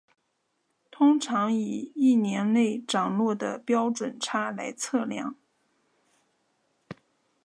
通常以一年内涨落的标准差来测量。